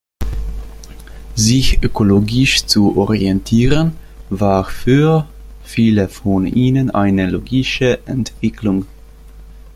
Sich ökologisch zu orientieren, war für viele von ihnen eine logische Entwicklung.